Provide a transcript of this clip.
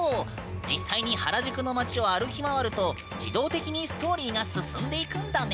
実際に原宿の街を歩き回ると自動的にストーリーが進んでいくんだね！